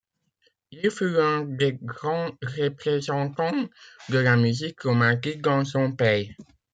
Il fut l'un des grands représentants de la musique romantique dans son pays.